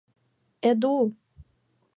— Эду!..